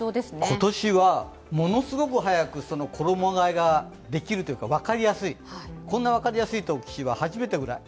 今年はものすごく早く衣替えができるというか、分かりやすい、こんな分かりやすい年は初めてくらい。